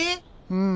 うん。